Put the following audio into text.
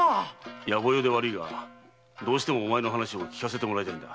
野暮用で悪いがどうしてもお前の話を聞かせてもらいたい。